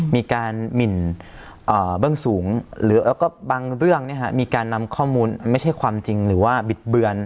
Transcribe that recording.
หมินเบื้องสูงหรือบางเรื่องมีการนำข้อมูลไม่ใช่ความจริงหรือว่าบิดเบือน